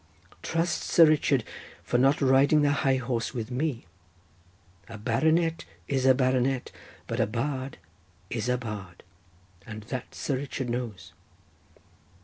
Trust Sir Richard for not riding the high horse with me—a baronet is a baronet, but a bard is a bard; and that Sir Richard knows."